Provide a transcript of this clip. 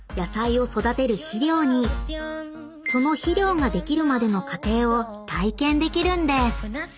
［その肥料ができるまでの過程を体験できるんです］